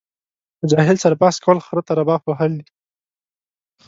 له جاهل سره بحث کول خره ته رباب وهل دي.